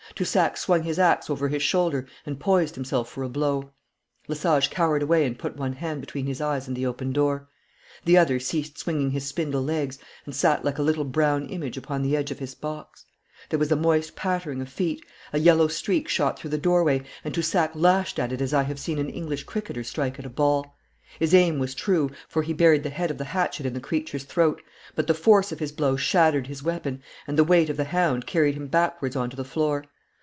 Toussac swung his axe over his shoulder and poised himself for a blow. Lesage cowered away and put one hand between his eyes and the open door. The other ceased swinging his spindle legs and sat like a little brown image upon the edge of his box. There was a moist pattering of feet, a yellow streak shot through the doorway, and Toussac lashed at it as I have seen an English cricketer strike at a ball. His aim was true, for he buried the head of the hatchet in the creature's throat, but the force of his blow shattered his weapon, and the weight of the hound carried him backwards on to the floor.